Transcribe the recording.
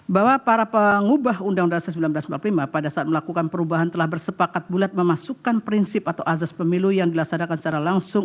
bahwa para pengubah undang undang seribu sembilan ratus empat puluh lima pada saat melakukan perubahan telah bersepakat bulat memasukkan prinsip atau azas pemilu yang dilaksanakan secara langsung